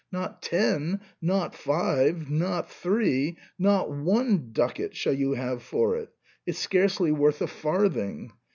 Not ten — not five — not three — not one ducat shall you have for it, it's scarcely worth a farthing.